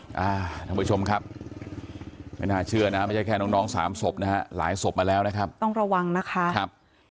ท่านผู้ชมครับไม่น่าเชื่อนะไม่ใช่แค่น้องน้องสามศพนะฮะหลายศพมาแล้วนะครับต้องระวังนะคะครับ